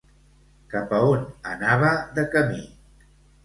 Cap a on anava de camí?